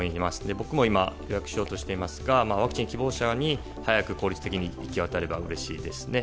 僕も今予約しようとしていますがワクチン希望者に早く効率的に行きわたればうれしいですね。